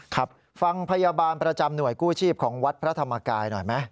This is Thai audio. ครับฟังพยาบาลประจำหน่วยกู้ชีพของวัดพระธรรมกายหน่อยไหม